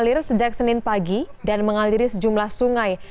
aliran lahar dingin mengalir sejak senin pagi dan mengaliri sejumlah sungai